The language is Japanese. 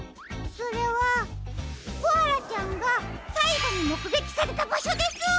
それはコアラちゃんがさいごにもくげきされたばしょです！